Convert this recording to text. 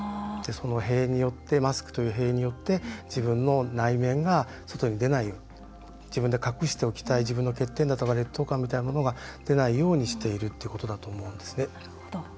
そのマスクという塀によって自分の内面が外に出ないように自分で隠しておきたい自分の欠点だとか劣等感みたいなものが出ないようにしているということだと思うんですね。